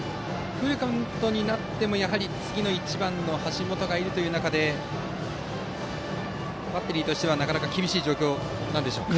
フルカウントになっても次に１番、橋本がいるという中でバッテリーとしてはなかなか厳しい状況でしょうか。